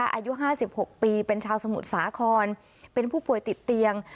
อายุ๕๖ปีเป็นชาวสมุทรสาครเป็นผู้ป่วยติดเตียง